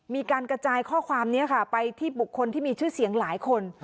มีการกระจายข้อความนี้ค่ะไปที่บุคคลที่มีชื่อเสียงหลายคน